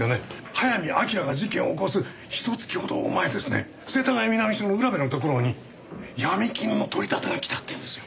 早見明が事件を起こすひと月ほど前ですね世田谷南署の浦部のところにヤミ金の取り立てが来たっていうんですよ。